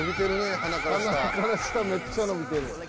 鼻から下めっちゃ伸びてる。